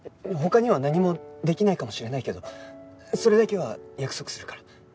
他には何もできないかもしれないけどそれだけは約束するから。